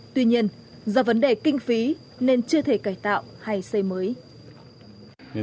tuy nhiên do vấn đề kinh phí nên chưa thể cải tạo hay xây mới